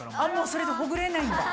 それでほぐれないんだ。